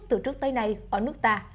từ trước tới nay ở nước ta